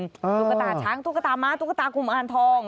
ตุ๊กตาช้างตุ๊กตาม้าตุ๊กตากลุ่มอ่างทอง